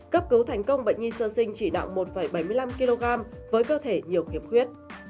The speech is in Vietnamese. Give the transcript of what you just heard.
cấp cứu thành công bệnh nhi sơ sinh chỉ đạo một bảy mươi năm kg với cơ thể nhiều khiếm khuyết